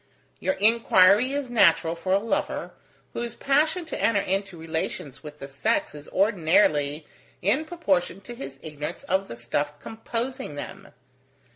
Your inquiry is natural for a lover, whose passion to enter into relations with the sex is ordinarily in proportion to his ignorance of the stuff composing them.